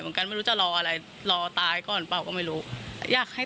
ไม่รู้จะรออะไรรอตายก่อนเปล่าก็ไม่รู้อยากให้